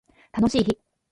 楽しい日